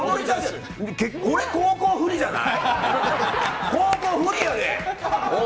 これ後攻、不利じゃない？